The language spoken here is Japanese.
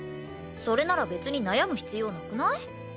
それなら別に悩む必要なくない？